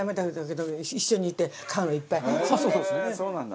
そうなんだ。